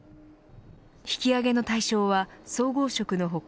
引き上げの対象は総合職の他